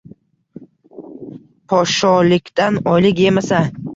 Poshsholikdan oylik yemasa